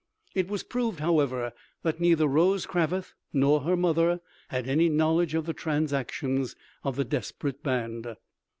It was proved, however, that neither Rose Cravath nor her mother had any knowledge of the transactions of the desperate band.